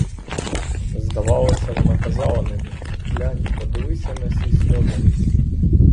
Здавалося, вона казала ними: глянь, подивися на сі сльози!